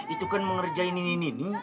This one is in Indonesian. itu kan mengerjain nini nini